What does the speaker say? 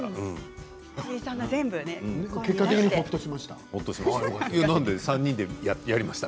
結果的にほっとしました。